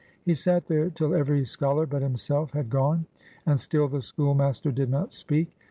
He sat there till every scholar but himself had gone, and still the schoolmaster did not speak.